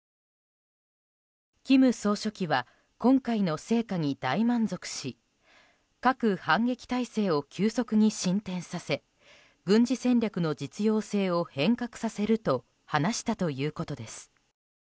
金総書記は今回の成果に大満足し核反撃態勢を急速に進展させ軍事戦略の実用性を変革させると話したということです。